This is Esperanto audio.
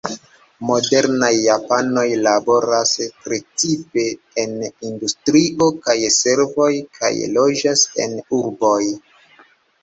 Modernaj japanoj laboras precipe en industrio kaj servoj, kaj loĝas en urboj.